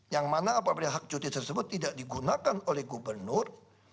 yang mana apabila hak cuti tersebut tidak digunakan oleh gubernur